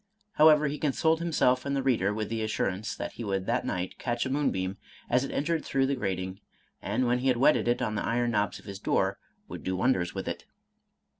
However, he consoled himself and the reader with the assurance, that he would that night catch a moonbeam as it entered through the grating, and, when he had whetted it on the iron knobs of his door, would do wonders with it.